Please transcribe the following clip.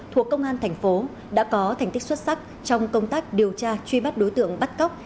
thuộc công an thành phố đã có thành tích xuất sắc trong công tác điều tra truy bắt đối tượng bắt cóc